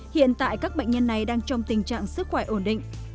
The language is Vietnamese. hiện tại các bệnh nhân này đang trong tình trạng sức khỏe ổn định